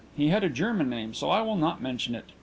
He had a German name, so I will not mention it.